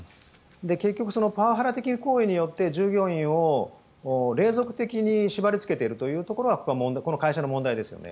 結局パワハラ的行為によって従業員を隷属的に縛りつけているというのがこの会社の問題ですよね。